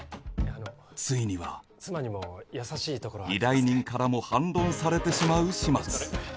あのついには依頼人からも反論されてしまう始末